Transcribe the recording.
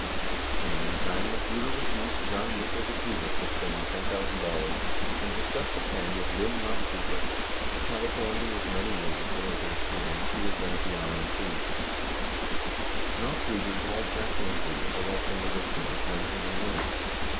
In the meantime, Magruder received John Mitchell's approval for spending $10,000 73 and discussed the plan with Lyn Nofziger, 74 a Californian with many years of political experience who was then at the RNC. Nofziger called Jack Lindsey, a Los Angeles businessman whom he knew.